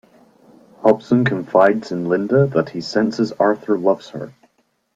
Hobson confides in Linda that he senses Arthur loves her.